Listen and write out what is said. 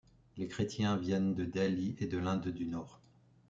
Les chrétiens viennent de Delhi et de l’Inde du Nord.